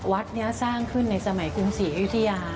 วัดนี้สร้างขึ้นในสมัยกรุงศรีอยุธยา